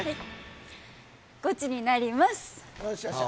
ゴチになります。